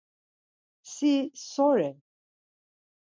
Si so re?